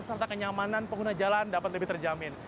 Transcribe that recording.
serta kenyamanan pengguna jalan dapat lebih terjamin